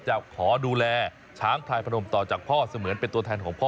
จะขอดูแลช้างพลายพนมต่อจากพ่อเสมือนเป็นตัวแทนของพ่อ